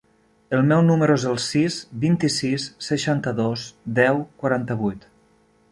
El meu número es el sis, vint-i-sis, seixanta-dos, deu, quaranta-vuit.